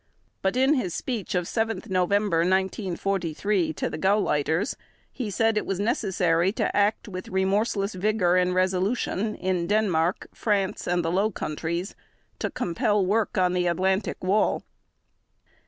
But in his speech of 7 November 1943 to the Gauleiters he said it was necessary to act "with remorseless vigor and resolution" in Denmark, France, and the Low Countries to compel work on the Atlantic Wall.